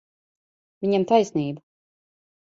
Viņam taisnība.